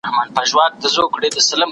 کېدای سي موبایل خراب وي!